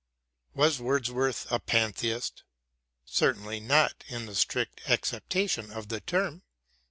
Was Wordsworth a Pantheist ? Certainly not, in the strict acceptation of the term.